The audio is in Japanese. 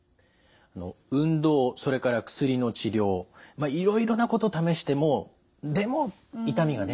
運動それから薬の治療いろいろなこと試してもでも痛みがね